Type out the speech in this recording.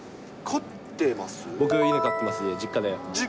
僕、犬飼ってます、実家で。